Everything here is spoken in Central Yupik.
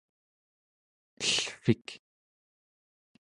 ellvik